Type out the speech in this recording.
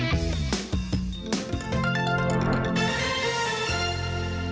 สวัสดีครับสวัสดีครับสวัสดีครับ